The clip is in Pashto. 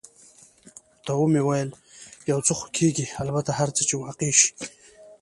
ورته مې وویل: یو څه خو کېږي، البته هر څه چې واقع شي.